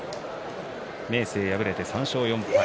明生、敗れて３勝４敗。